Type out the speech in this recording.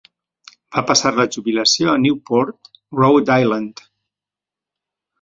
Va passar la jubilació a Newport, Rhode Island.